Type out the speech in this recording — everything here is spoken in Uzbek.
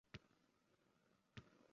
To‘rttoviyam hech kimga og‘iz ochmagan